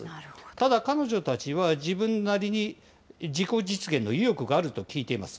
ただ彼女たちは、自分なりに自己実現の意欲があると聞いています。